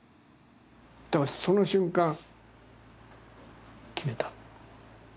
だからその瞬間決めた。